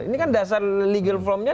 ini kan dasar legal formnya